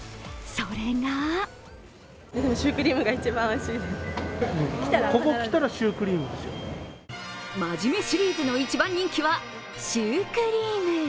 それが真面目シリーズの１番人気はシュークリーム。